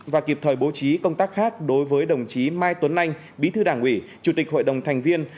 và kịp thời bố trí công tác khác đối với đồng chí mai tuấn anh bí thư đảng ủy chủ tịch hội đồng thành viên